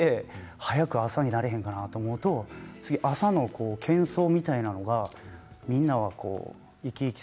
早く朝にならへんかなって朝のけん騒みたいなものがみんなが生き生き